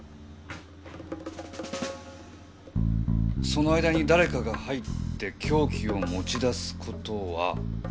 その間に誰かが入って凶器を持ち出すことは？